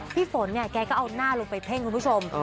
พี่ฝนเนี่ยแกก็เอาหน้าลงไปเพ่งคุณผู้ชม